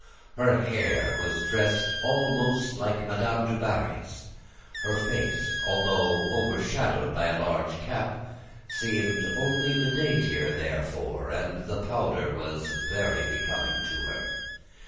Her hair was dressed almost like Madame du Barry's; her face, although overshadowed by a large cap, seemed only the daintier therefor, and the powder was very becoming to her.